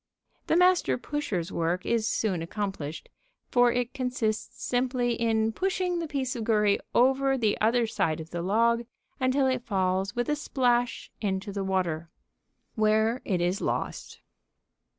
The Master Pushers' work is soon accomplished, for it consists simply in pushing the piece of gurry over the other side of the log until it falls with a splash into the water, where it is lost.